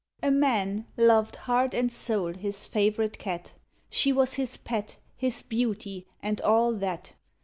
A Man loved, heart and soul, his favourite Cat; She was his pet, his beauty, and all that.